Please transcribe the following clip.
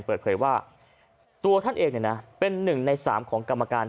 เปิดเผยว่าตัวท่านเองเป็น๑ใน๓ของกรรมการ